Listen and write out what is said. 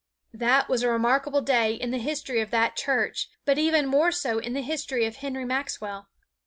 That was a remarkable day in the history of that church, but even more so in the history of Henry Maxwell.